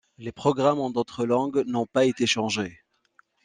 Les programmes en d’autres langues n’ont pas été changés.